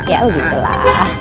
ya gitu lah